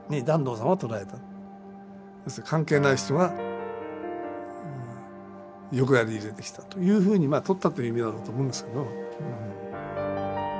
関係ない人が横やり入れてきたというふうにまあ取ったという意味なんだと思うんですけど。